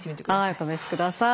はいお試しください。